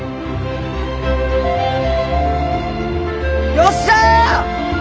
よっしゃ！